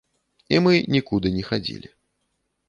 І мы нікуды не хадзілі.